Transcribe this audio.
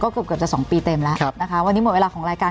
เกือบเกือบจะสองปีเต็มแล้วนะคะวันนี้หมดเวลาของรายการ